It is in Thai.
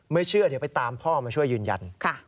เชื่อเดี๋ยวไปตามพ่อมาช่วยยืนยัน